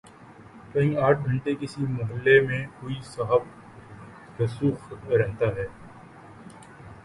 کہیں آٹھ گھنٹے کسی محلے میں کوئی صاحب رسوخ رہتا ہے۔